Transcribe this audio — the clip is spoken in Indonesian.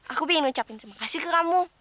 aku pengen ucapin terima kasih ke kamu